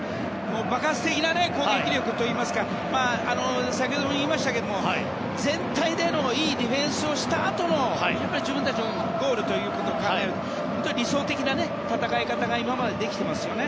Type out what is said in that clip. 爆発的な攻撃力といいますか先ほども言いましたが全体でのいいディフェンスをしたあとの自分たちのゴールということを考えると本当に理想的な戦い方ができていますよね。